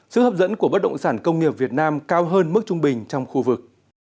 sức hấp dẫn của bất động sản công nghiệp việt nam cao hơn mức trung bình trong khu vực